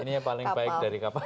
ini yang paling baik dari kapal